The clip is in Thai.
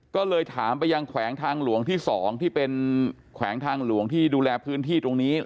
ก็เลยถามไปยังแขวงทางหลวงที่๒ที่เป็นแขวงทางหลวงที่ดูแลพื้นที่ตรงนี้